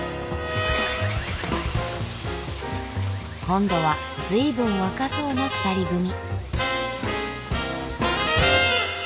今度は随分若そうな２人組。